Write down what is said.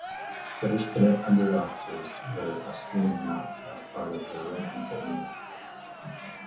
British cadet under officers wear Austrian knots as part of their rank insignia.